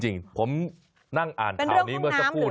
จริงผมนั่งอ่านข่าวนี้เมื่อสักครู่